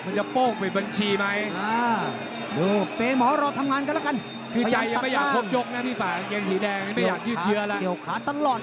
เน้นเลยเน้นเลยโอ้โหอยู่นี้เป็นไงเต็มเขาลอย